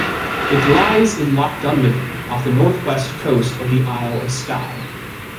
It lies in Loch Dunvegan, off the northwest coast of the Isle of Skye.